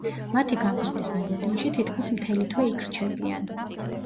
მათი გამოსვლის მოლოდინში, თითქმის მთელი თვე იქ რჩებიან.